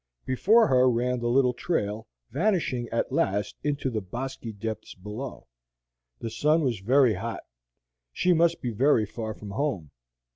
Before her ran the little trail, vanishing at last into the bosky depths below. The sun was very hot. She must be very far from home.